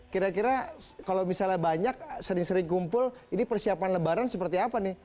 kira kira kalau misalnya banyak sering sering kumpul ini persiapan lebaran seperti apa nih